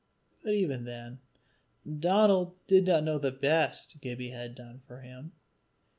But even then Donal did not know the best Gibbie had done for him.